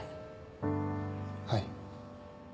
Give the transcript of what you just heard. はい。